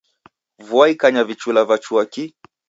Vua ikanya vichula vachua ki.